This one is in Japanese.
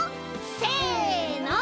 せの。